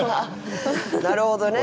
なるほどね。